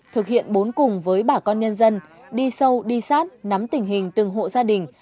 thực hiện bốn cùng với bà con nhân dân đi sâu đi sát nắm tình hình từng hộ gia đình